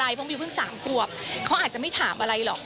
เมย์ก็รู้สึกว่าก็ดีค่ะลูก